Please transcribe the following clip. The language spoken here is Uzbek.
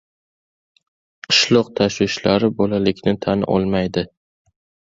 Qishloqning tashvishlari bolalikni tan olmaydi.